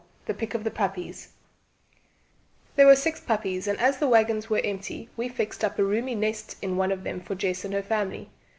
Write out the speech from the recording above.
THE PICK OF THE PUPPIES There were six puppies, and as the waggons were empty we fixed up a roomy nest in one of them for Jess and her family.